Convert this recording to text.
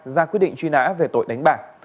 ra quyết định truy nã về tội đánh bạc